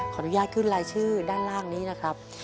อนุญาตขึ้นรายชื่อด้านล่างนี้นะครับ